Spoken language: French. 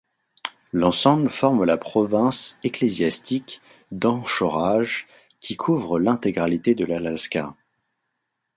L'ensemble forme la province ecclésiastique d'Anchorage qui couvre l'intégralité de l'Alaska.